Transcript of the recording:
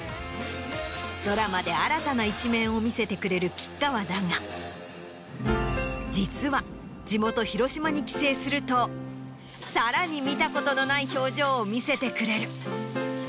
ドラマで新たな一面を見せてくれる吉川だが実は地元広島に帰省するとさらに見たことのない表情を見せてくれる。